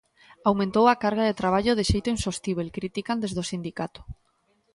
Aumentou a carga de traballo de xeito insostíbel, critican desde o sindicato.